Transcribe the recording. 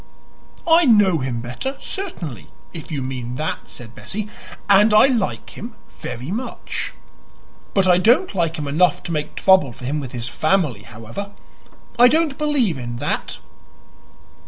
"I know him better, certainly, if you mean that," said Bessie. "And I like him very much. But I don't like him enough to make trouble for him with his family. However, I don't believe in that."